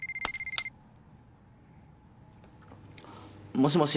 もしもし。